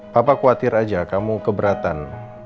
papa khawatir aja kamu keberatan